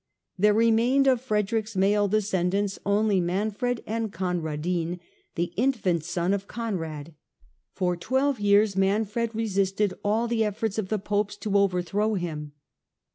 There remained of Frederick's male descendants only Manfred, and Conradin, the infant son of Conrad. For twelve years Manfred resisted all the efforts of the Popes to overthrow him.